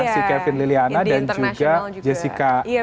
si kevin liliana dan juga jessica